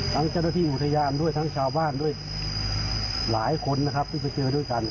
เจ้าหน้าที่อุทยานด้วยทั้งชาวบ้านด้วยหลายคนนะครับที่ไปเจอด้วยกัน